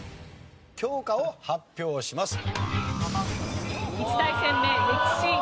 教科を発表します。